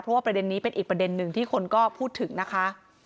เพราะว่าประเด็นนี้เป็นอีกประเด็นหนึ่งที่คนก็พูดถึงนะคะ